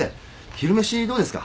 昼飯どうですか？